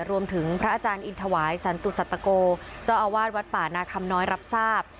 พระอาจารย์อินทวายสันตุสัตโกเจ้าอาวาสวัดป่านาคำน้อยรับทราบ